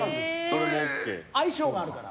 相性があるから。